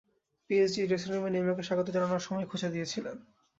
পিএসজির ড্রেসিংরুমে নেইমারকে স্বাগত জানানোর সময়ই খোঁচা দিয়েছিলেন।